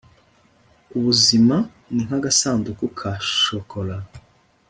ubuzima ni nkagasanduku ka shokora